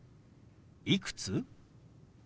「いくつ？」。